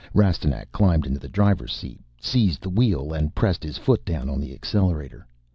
Rastignac climbed into the driver's seat, seized the wheel and pressed his foot down on the accelerator.